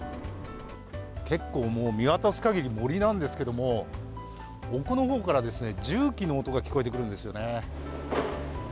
結構もう見渡すかぎり森なんですけども、奥のほうから重機の音が聞こえてくるんですよね。